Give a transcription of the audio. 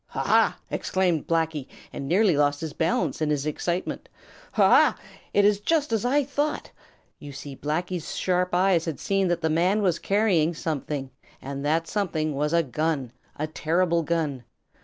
"Ha, ha!" exclaimed Blacky, and nearly lost his balance in his excitement. "Ha, ha! It is just as I thought!" You see Blacky's sharp eyes had seen that the man was carrying something, and that something was a gun, a terrible gun.